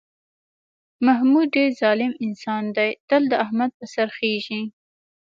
محمود ډېر ظالم انسان دی، تل د احمد په سر خېژي.